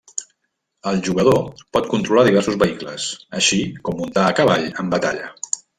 El jugador pot controlar diversos vehicles, així com muntar a cavall en batalla.